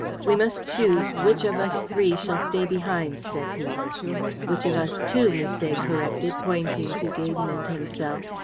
"We must choose which of us three shall stay behind," said he. "Which of us two," Misset corrected, pointing to Gaydon and himself.